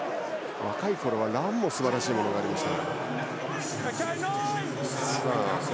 若いころはランもすばらしいものがありました。